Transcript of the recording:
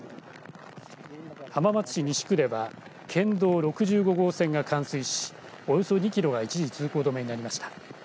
浜松市西区では県道６５号線が冠水しおよそ２キロが一時通行止めになりました。